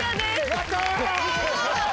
やった！